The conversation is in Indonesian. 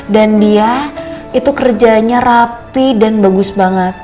dan dia itu kerjanya rapi dan bagus banget